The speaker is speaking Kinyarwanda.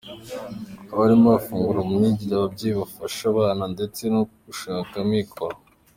Abarimu bafungura mu myigire, ababyeyi bafasha abana ndetse no gushaka amikoro.